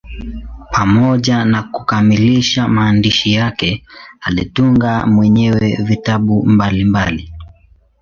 Pamoja na kukamilisha maandishi yake, alitunga mwenyewe vitabu mbalimbali.